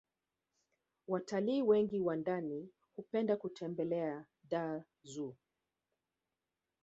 watalii wengi wa ndani hupenda kutembelea dar zoo